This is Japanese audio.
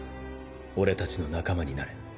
俺たちの仲間になれ